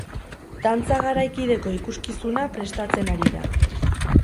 Dantza garaikideko ikuskizuna prestatzen ari da.